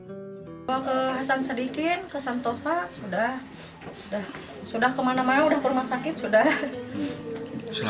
kepala dokter kesehatan kabupaten subang dr maksi